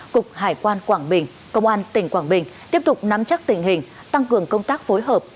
cục hải quan quảng bình công an tỉnh quảng bình tiếp tục nắm chắc tình hình tăng cường công tác phối hợp